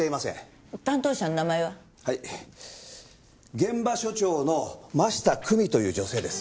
現場所長の真下久美という女性です。